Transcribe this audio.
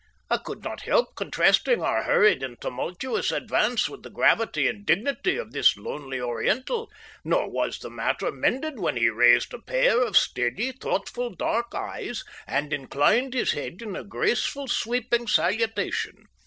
I could not help contrasting our hurried and tumultuous advance with the gravity and dignity of this lonely Oriental, nor was the matter mended when he raised a pair of steady, thoughtful dark eyes and inclined his head in a graceful, sweeping salutation.